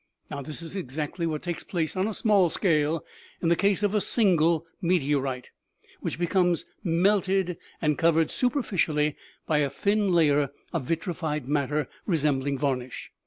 This is exactly what takes place on a small scale in the case of a single meteorite, which becomes melted and covered superficially by a thin layer of vitrified matter, resembling varnish.